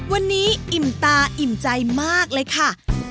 วันนี้อิ่มตาอิ่มใจมากเลยค่ะ